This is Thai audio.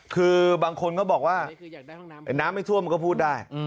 คือบางคนก็บอกว่าน้ำไม่ท่วมมันก็พูดได้